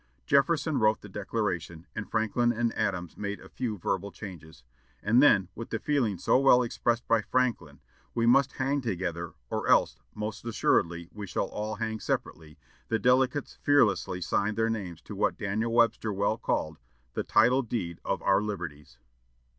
Jefferson wrote the Declaration, and Franklin and Adams made a few verbal changes. And then, with the feeling so well expressed by Franklin, "We must hang together, or else, most assuredly, we shall all hang separately," the delegates fearlessly signed their names to what Daniel Webster well called the "title deed of our liberties."